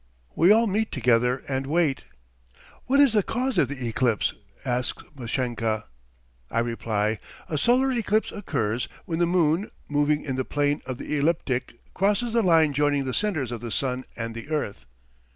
We all meet together and wait. "What is the cause of the eclipse?" asks Mashenka. I reply: "A solar eclipse occurs when the moon, moving in the plane of the ecliptic, crosses the line joining the centres of the sun and the earth."